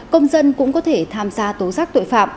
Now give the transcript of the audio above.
công dân cũng có thể tham gia tố giác tội phạm